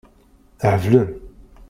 Heblen.